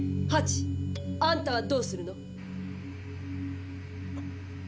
ハチ。あんたはどうするの？